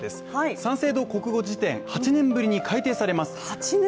三省堂国語辞典、８年ぶりに改訂されます。